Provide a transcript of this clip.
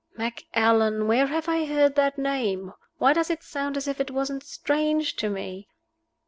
"Macallan? Where have I heard that name? Why does it sound as if it wasn't strange to me?"